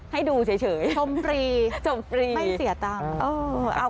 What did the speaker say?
ให้ดูเฉยจมปลีไม่เสียตา